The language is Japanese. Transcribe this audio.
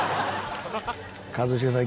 一茂さん